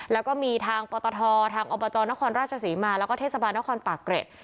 แล้วก็มีทางปตททางอบจนครราชศรีมาแล้วก็เทศบาลนครปากเกร็ด